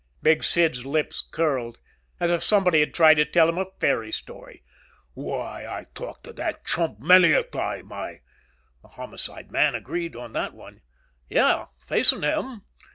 Big Sid's lips curled. As if somebody had tried to tell him a fairy story. "Why, I talked to that chump many a time! I " The Homicide man agreed on that one. "Yeah, facing him.